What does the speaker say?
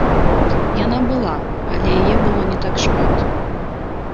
Яна была, але яе было не так шмат.